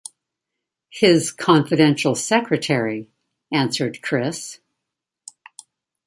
"His confidential secretary," answered Chris.